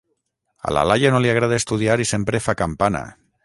A la Laia no li agrada estudiar i sempre fa campana: